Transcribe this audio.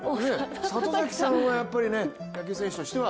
里崎さんはやっぱり野球選手としては。